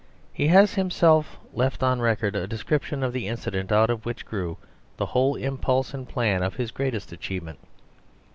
He has himself left on record a description of the incident out of which grew the whole impulse and plan of his greatest achievement.